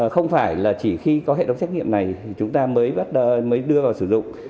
không phải chỉ khi có hệ thống xét nghiệm này chúng ta mới đưa vào sử dụng